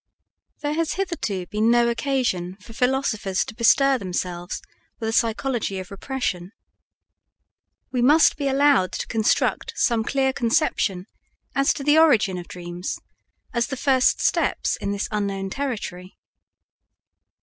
There has hitherto been no occasion for philosophers to bestir themselves with a psychology of repression. We must be allowed to construct some clear conception as to the origin of dreams as the first steps in this unknown territory.